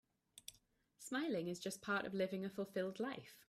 Smiling is just part of living a fulfilled life.